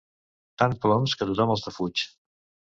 Tan ploms que tothom els defuig.